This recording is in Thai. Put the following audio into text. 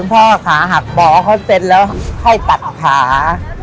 คุณพ่อขาหักหมอเขาเสร็จแล้วให้ตัดขา